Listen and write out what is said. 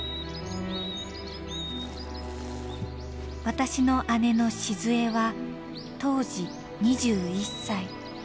私の姉の静枝は当時２１歳。